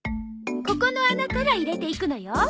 ここの穴から入れていくのよ？